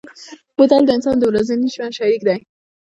بوتل د انسان د ورځني ژوند شریک دی.